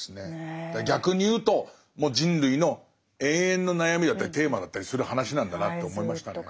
逆に言うともう人類の永遠の悩みだったりテーマだったりする話なんだなと思いましたね。